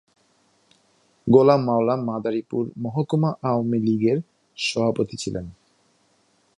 গোলাম মাওলা মাদারীপুর মহকুমা আওয়ামী লীগের সভাপতি ছিলেন।